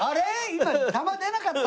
今弾出なかった？